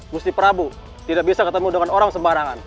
mesti prabu tidak bisa ketemu dengan orang sembarangan